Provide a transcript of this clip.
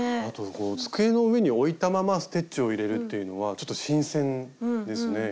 あと机の上に置いたままステッチを入れるっていうのはちょっと新鮮ですね。